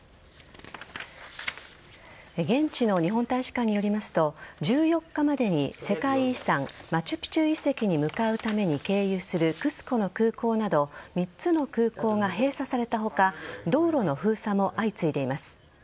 現地の日本大使館によりますと１４日までに世界遺産マチュピチュ遺跡に向かうために経由するクスコの空港など３つの空港が閉鎖された他道路の封鎖も相次いでいます。